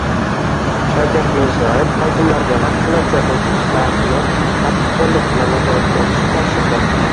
Shavkat Mirziyoyev hokimlarga vaksinatsiya bo‘yicha ishlarni qattiqqo‘llik bilan nazoratga olishni topshirdi